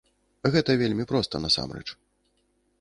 Гэта вельмі проста насамрэч.